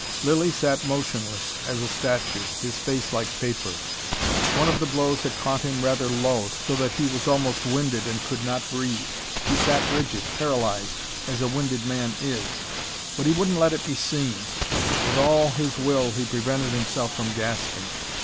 Lilly sat motionless as a statue, his face like paper. One of the blows had caught him rather low, so that he was almost winded and could not breathe. He sat rigid, paralysed as a winded man is. But he wouldn't let it be seen. With all his will he prevented himself from gasping.